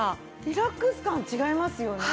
リラックス感違いますよね。